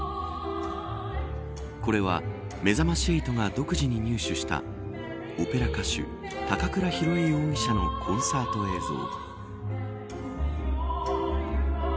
これはめざまし８が独自に入手したオペラ歌手、高倉宏恵容疑者のコンサート映像。